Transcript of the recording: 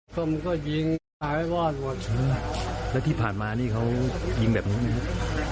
ก็มันก็ยิงหาให้วาดหมดแล้วที่ผ่านมานี่เขายิงแบบนู้น